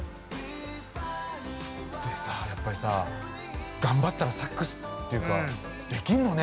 でさやっぱりさ頑張ったらサックスっていうかできるのね。